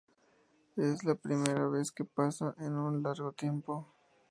Es la primera vez que pasa en un largo tiempo.